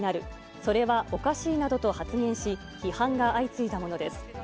それはおかしいなどと発言し、批判が相次いだものです。